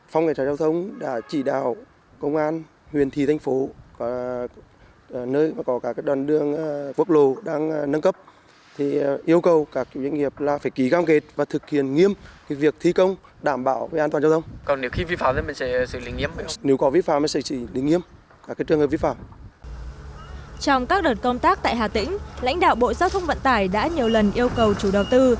trong các đợt công tác tại hà tĩnh lãnh đạo bộ giao thông vận tải đã nhiều lần yêu cầu chủ đầu tư